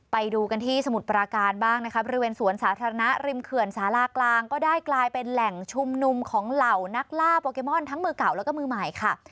ไปดูกันที่สมุทรปราการบ้างนะคะบริเวณสวนสาธารณะริมเขื่อนสารากลางก็ได้กลายเป็นแหล่งชุมนุมของเหล่านักล่าโปเกมอนทั้งมือเก่าแล้วก็มือใหม่ค่ะ